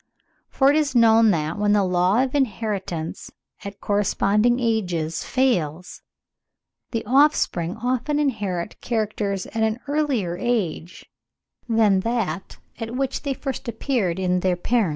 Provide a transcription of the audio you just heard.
For it is known that, when the law of inheritance at corresponding ages fails, the offspring often inherit characters at an earlier age than that at which they first appeared in their parents.